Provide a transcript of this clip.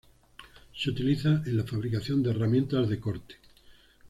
Se utiliza en la fabricación de herramientas de corte.